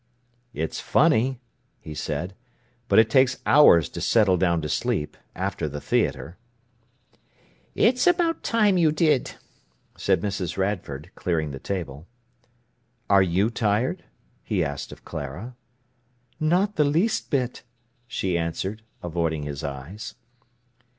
"It is funny," he said, "but it takes hours to settle down to sleep after the theatre." "It's about time you did," said Mrs. Radford, clearing the table. "Are you tired?" he asked of Clara. "Not the least bit," she answered, avoiding his eyes.